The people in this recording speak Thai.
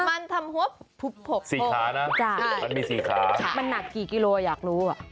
มันทำหัวสี่ขานะจ้ะมันมีสี่ขามันหนักกี่กิโลอยากรู้อ่ะ